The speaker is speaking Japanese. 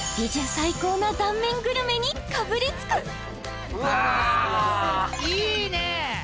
最高な断面グルメにかぶりつくいいね